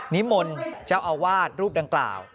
นิมนต์เจ้าอาวาสรูปดังกล่าว